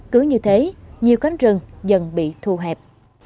cứ như thế nhiều cánh rừng dần bị thu hẹp